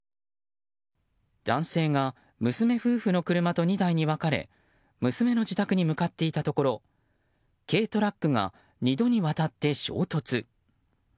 男性が娘夫婦の車と２台に分かれ娘の自宅に向かっていたところ軽トラックが２度にわたって衝突。